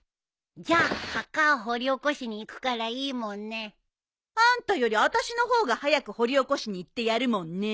じゃあ墓を掘り起こしに行くからいいもんね。あんたより私の方が早く掘り起こしに行ってやるもんね。